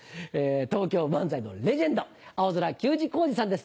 東京漫才のレジェンド青空球児・好児さんです